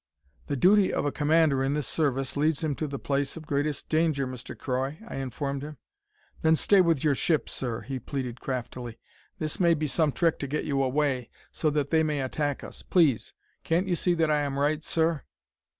"The duty of a commander in this Service leads him to the place of greatest danger, Mr. Croy," I informed him. "Then stay with your ship, sir!" he pleaded, craftily. "This may be some trick to get you away, so that they may attack us. Please! Can't you see that I am right, sir?"